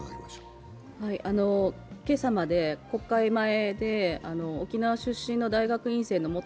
今朝まで、国会前で沖縄出身の大学院生の元